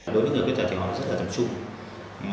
đối với người khuyết tật thì họ rất là tập trung